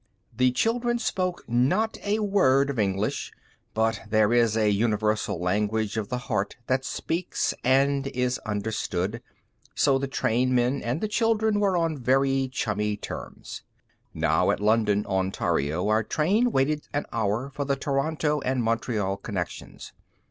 The children spoke not a word of English, but there is a universal language of the heart that speaks and is understood. So the trainmen and the children were on very chummy terms. Now, at London, Ontario, our train waited an hour for the Toronto and Montreal connections.